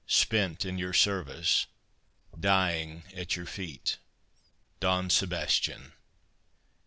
Spent in your service—dying at your feet. DON SEBASTIAN.